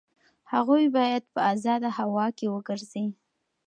هغوی باید په ازاده هوا کې وګرځي.